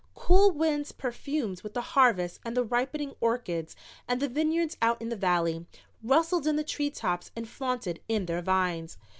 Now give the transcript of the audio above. Cool winds, perfumed with the harvests and the ripening orchards and the vineyards out in the valley, rustled in the treetops and flaunted in the vines.